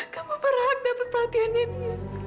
kamu berhak dapat perhatiannya nia